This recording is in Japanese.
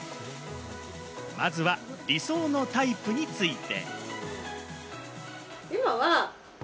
まずは理想のタイプについて。